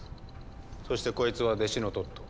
そしてこいつは弟子のトット。